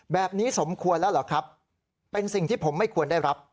แบบนี้สมควรแล้วเหรอครับเป็นสิ่งที่ผมไม่ควรได้รับ